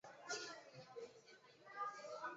赤眉起义是新朝末年的一次在山东地区的民变。